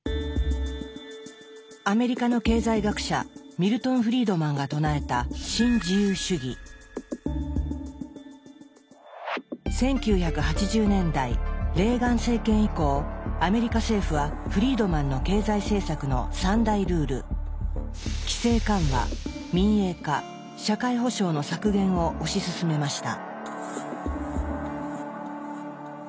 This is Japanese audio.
アメリカの経済学者ミルトン・フリードマンが唱えた１９８０年代レーガン政権以降アメリカ政府はフリードマンの経済政策の３大ルールを推し進めました。